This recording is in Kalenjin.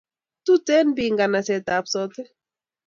Tuten toek nganaset a b Sotik